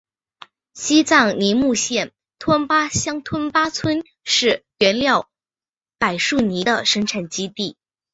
西藏尼木县吞巴乡吞巴村是原料柏树泥的生产基地。